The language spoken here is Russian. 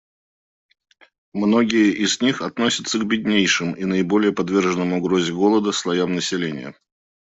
Многие из них относятся к беднейшим и наиболее подверженным угрозе голода слоям населения.